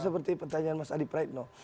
seperti pertanyaan mas adi praitno